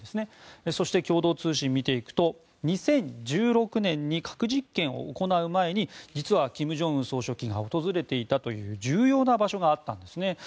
そして共同通信を見ていくと２０１６年に核実験を行う前に実は金正恩総書記が訪れていたという重要な場所があったんですね。